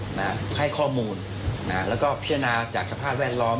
ให้ข้อมูลแล้วก็เชื่อนาจากสภาพแวดล้อม